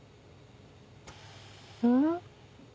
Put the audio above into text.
うん？